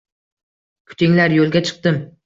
Kutinglar, yoʻlga chiqdim.